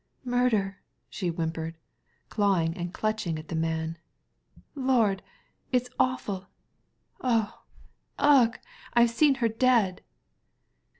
" Murder !'* she whimpered, clawing and clutching at the man. ''Lordl it's awful! Ugh! Ugh! I've seen her dead